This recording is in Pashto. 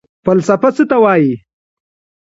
فلسفه څه ته وايي؟